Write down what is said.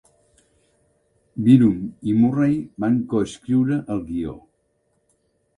Byrum i Murray van coescriure el guió.